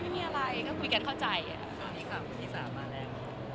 คุณรู้สึกของหมู่ที่๓มาแล้ว